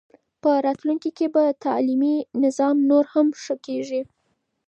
په راتلونکي کې به تعلیمي نظام نور هم ښه کېږي.